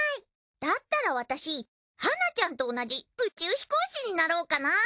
だったら私はなちゃんと同じ宇宙飛行士になろうかな。